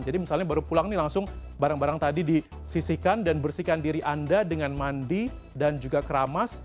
jadi misalnya baru pulang ini langsung barang barang tadi disisikan dan bersihkan diri anda dengan mandi dan juga keramas